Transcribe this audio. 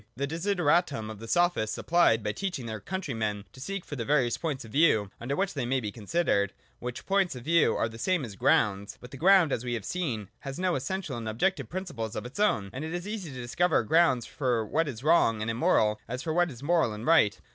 That desideratum the Sophists supplied by teaching their countrymen to seek for the various points of view under which things may be considered : which points of view are the same as grounds. But the ground, as we have seen, has no essential and objective principles of its own, and it is as easy to discover grounds for what is wrong and immoral as for what is moral and right.